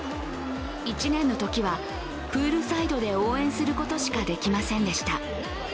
１年のときはプールサイドで応援することしかできませんでした。